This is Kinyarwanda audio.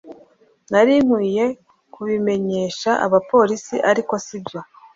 nari nkwiye kubimenyesha abapolisi, ariko sibyo